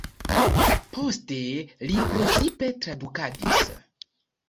Poste li precipe tradukadis.